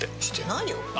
してないよ。